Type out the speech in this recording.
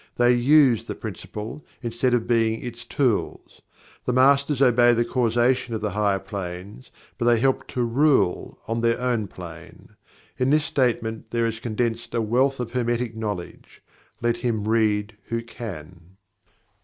They USE the Principle instead of being its tools. The Masters obey the Causation of the higher planes, but they help to RULE on their own plane. In this statement there is condensed a wealth of Hermetic knowledge let him read who can.